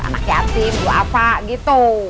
anak yatim ibu apa gitu